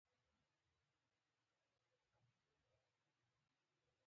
وريځ کمه وه نو نمر يې ډېر نۀ شو پټولے ـ